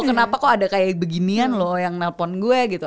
kenapa kok ada kayak beginian loh yang nelpon gue gitu